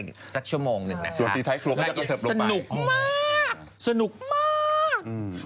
ส่วนตีท้ายครูก็จะกระเชิดลงไปแล้วสนุกมากสนุกมาก